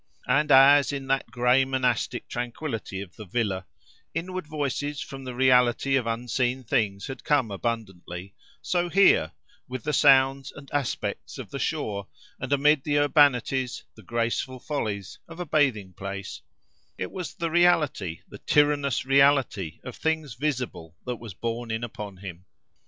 And as, in that gray monastic tranquillity of the villa, inward voices from the reality of unseen things had come abundantly; so here, with the sounds and aspects of the shore, and amid the urbanities, the graceful follies, of a bathing place, it was the reality, the tyrannous reality, of things visible that was borne in upon him.